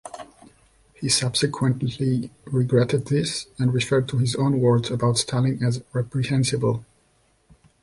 He subsequently regretted this and referred to his own words about Stalin as reprehensible.